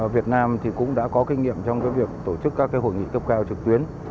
việt nam thì cũng đã có kinh nghiệm trong cái việc tổ chức các cái hội nghị cấp cao trực tuyến